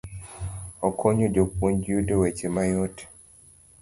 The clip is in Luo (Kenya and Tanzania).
Okonyo jopuonj yudo weche mayot.